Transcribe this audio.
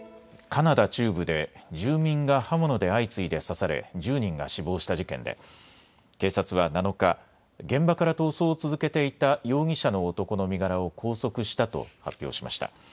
カナダ中部で住民が刃物で相次いで刺され１０人が死亡した事件で警察は７日、現場から逃走を続けていた容疑者の男の身柄を拘束したと発表しました。